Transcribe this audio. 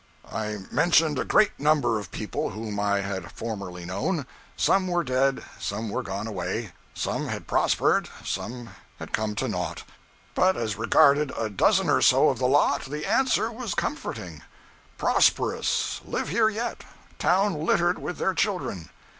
I mentioned a great number of people whom I had formerly known. Some were dead, some were gone away, some had prospered, some had come to naught; but as regarded a dozen or so of the lot, the answer was comforting: 'Prosperous live here yet town littered with their children.'